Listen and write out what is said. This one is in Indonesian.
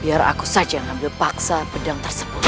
biar aku saja yang ambil paksa pedang tersebut